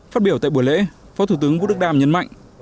phát biểu tại buổi lễ phó thủ tướng vũ đức đam nhấn mạnh